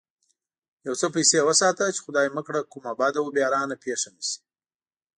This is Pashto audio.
يو څه پيسې وساته چې خدای مکړه کومه بده و بېرانه پېښه نه شي.